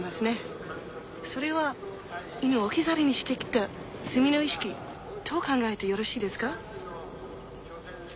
それは「犬を置き去りにしてきた罪の意識」と考えてよろしいですか？